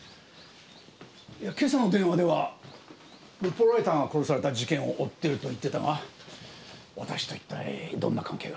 今朝の電話ではルポライターが殺された事件を追ってると言ってたが私と一体どんな関係が？